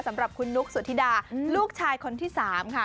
สำหรับคุณนุ๊กสุธิดาลูกชายคนที่๓ค่ะ